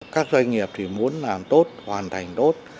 các doanh nghiệp muốn làm tốt hoàn thành tốt